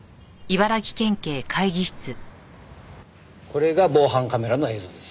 これが防犯カメラの映像です。